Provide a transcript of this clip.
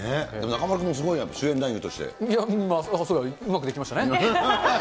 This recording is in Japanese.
中丸君も主演男優として。うまくできましたね。